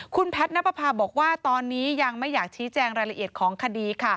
คุณแพทย์นับประพาบอกว่าตอนนี้ยังไม่อยากชี้แจงรายละเอียดของคดี